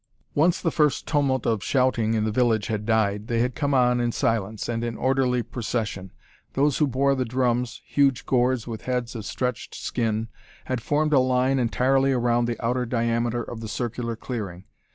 Once the first tumult of shouting in the village had died, they had come on in silence, and in orderly procession. Those who bore the drums huge gourds with heads of stretched skin had formed a line entirely around the outer diameter of the circular clearing.